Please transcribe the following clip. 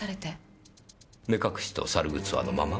目隠しと猿ぐつわのまま？